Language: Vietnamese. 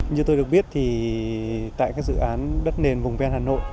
như tôi được biết thì tại các dự án đất nền vùng ven hà nội